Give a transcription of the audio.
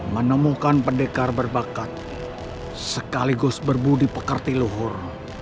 menemukan pendekar berbakat sekaligus berbudi pekerti luhur